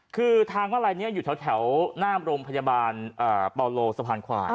คือทางมาลัยนี้อยู่แถวหน้าโรงพยาบาลปาโลสะพานควาย